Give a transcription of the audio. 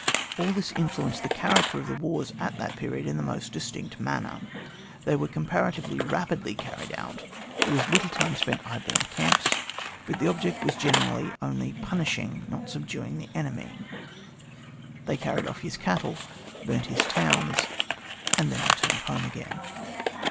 All this influenced the character of the wars at that period in the most distinct manner. They were comparatively rapidly carried out, there was little time spent idly in camps, but the object was generally only pimishing, not subduing, the enemy. They carried off his cattle, burnt his towns, and then returned home again.